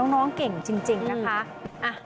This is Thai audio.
น้องเก่งจริงนะคะ